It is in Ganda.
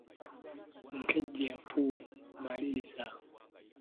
Nkejje nfu, maliriza.